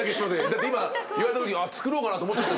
だって今言われたときに作ろうかなって思っちゃった。